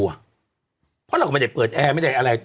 เพราะเราก็ไม่ได้เปิดแอร์ไม่ได้อะไร